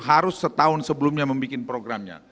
harus setahun sebelumnya membuat programnya